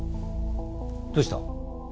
どうした？